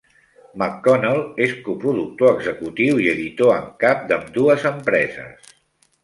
McConnell és coproductor executiu i editor en cap d'ambdues empreses.